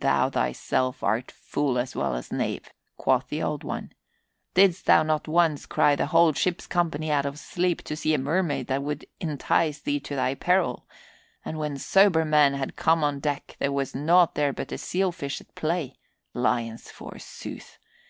"Thou thyself art fool as well as knave," quoth the Old One. "Did'st thou not once cry the whole ship's company out of sleep to see a mermaid that would entice thee to thy peril? And when sober men had come on deck there was nought there but a seal fish at play. Lions forsooth!